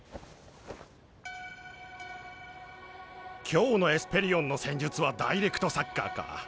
今日のエスペリオンの戦術はダイレクトサッカーか。